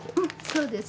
そうです。